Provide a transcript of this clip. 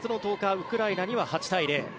ウクライナには８対０。